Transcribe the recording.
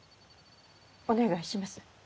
お願いします。